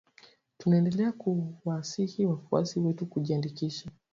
Tunaendelea kuwasihi wafuasi wetu kujiandikisha